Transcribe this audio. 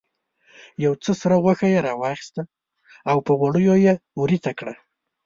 یو څه سره غوښه یې واخیسته او په غوړیو یې ویریته کړه.